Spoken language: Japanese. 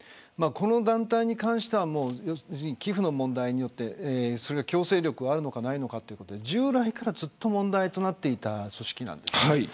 この団体に関しては寄付の問題でそこに強制力があるのかないのかということで従来からずっと問題になっていた組織です。